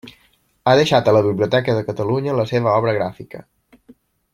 Ha deixat a la Biblioteca de Catalunya la seva obra gràfica.